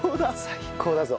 最高だぞ。